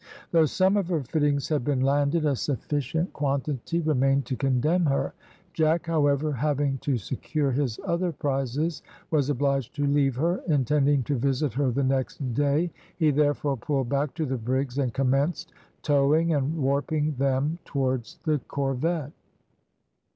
Though some of her fittings had been landed, a sufficient quantity remained to condemn her. Jack, however, having to secure his other prizes, was obliged to leave her, intending to visit her the next day; he therefore pulled back to the brigs, and commenced towing and warping them towards the corvette.